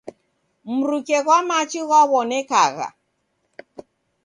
Mruke ghwa machi ghwaw'onekagha.